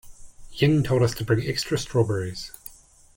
Ying told us to bring extra strawberries.